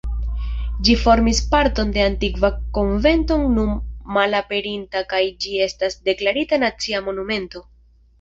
Ĝi formis parton de antikva konvento nun malaperinta kaj ĝi estas deklarita Nacia Monumento.